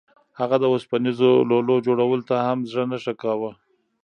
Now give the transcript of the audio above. هغه د اوسپنیزو لولو جوړولو ته هم زړه نه ښه کاوه